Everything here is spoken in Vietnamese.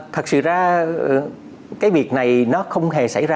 thật sự ra cái việc này nó không hề xảy ra